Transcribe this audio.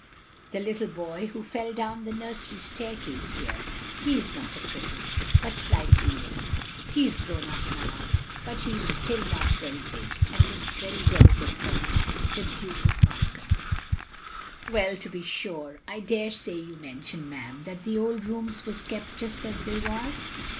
"The little boy who fell down the nursery staircase here! He is not a cripple, but slightly lame. He is grown up now, but he is still not very big, and looks very delicate for a man. The Duke of Monaghan." "Well to be stire! I daresay you mentioned, ma'am, that the old rooms was kept just as they was?"